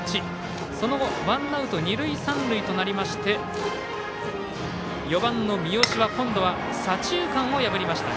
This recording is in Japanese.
その後ワンアウト、二塁三塁となって４番の三好は今度は左中間を破りました。